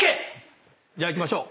じゃあいきましょう。